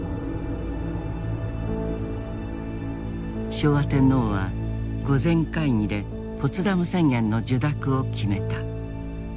昭和天皇は御前会議でポツダム宣言の受諾を決めた。